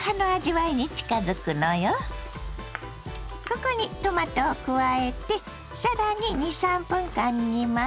ここにトマトを加えて更に２３分間煮ます。